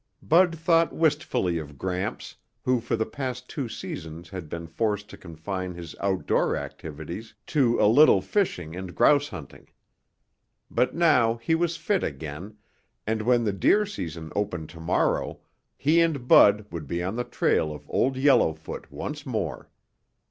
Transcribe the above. Bud thought wistfully of Gramps, who for the past two seasons had been forced to confine his outdoor activities to a little fishing and grouse hunting. But now he was fit again, and when the deer season opened tomorrow, he and Bud would be on the trail of Old Yellowfoot once more.